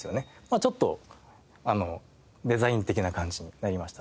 ちょっとデザイン的な感じになりました。